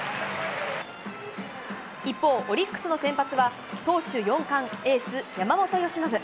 一方、オリックスの先発は、投手４冠、エース、山本由伸。